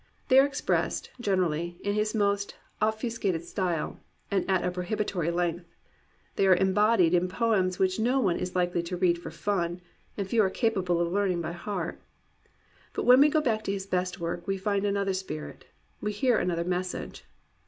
They are expressed, generally, in his most obfuscated style, and at a prohibitory length. They are embodied in poems which no one is likely to read for fun, and few are capable of learning by heart. But when we go back to his best work we find another spirit, we hear another message.